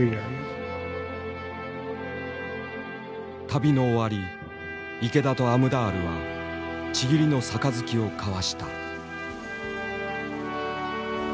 旅の終わり池田とアムダールは契りの杯を交わした。